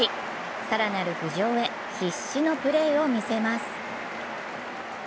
更なる浮上へ必死のプレーを見せます。